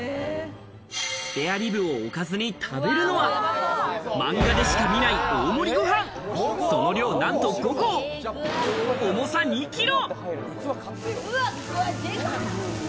スペアリブをおかずに食べるのはマンガでしか見ない大盛りご飯、その量なんと５合、重さ２キロ。